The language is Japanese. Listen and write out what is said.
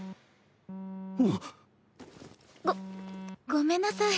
ごごめんなさい。